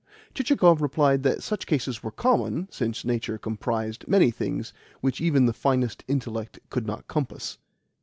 Chichikov replied that such cases were common, since nature comprised many things which even the finest intellect could not compass.